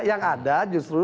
yang ada justru